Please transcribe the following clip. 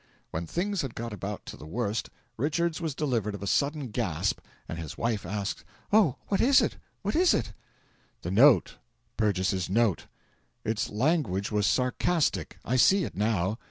When things had got about to the worst Richards was delivered of a sudden gasp and his wife asked: "Oh, what is it? what is it?" "The note Burgess's note! Its language was sarcastic, I see it now."